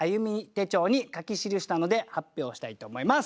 手帳に書き記したので発表したいと思います。